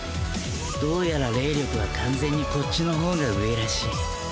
どうやら霊力は完全にこっちのほうが上らしい。